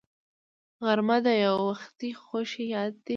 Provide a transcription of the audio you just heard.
غرمه د یووختي خوښۍ یاد ده